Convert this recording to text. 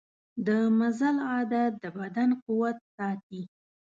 د مزل عادت د بدن قوت ساتي.